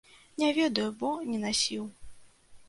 Не ведаю, бо не насіў.